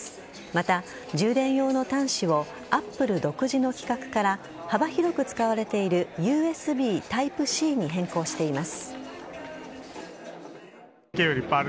また、充電用の端子をＡｐｐｌｅ独自の規格から幅広く使われているＵＳＢＴｙｐｅ‐Ｃに変更しています。